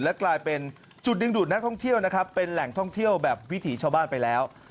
และกลายเป็นจุดดึงดูดนักท่องเที่ยวนะครับเป็นแหล่งท่องเที่ยวแบบวิถีชาวบ้านไปแล้ว